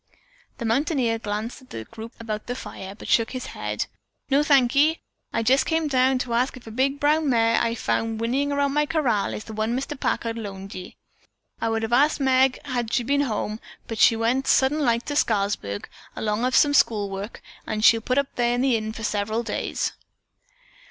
The mountaineer glanced at the group about the fire, but shook his head. "No, I thank ye. I jest came down to ask if a big brown mare I found whinnyin' around my corral is the one Mr. Packard loaned ye? I would have asked Meg hed she been to home, but she went, sudden like, to Scarsburg, along of some school work, and she'll put up at the inn there for several days."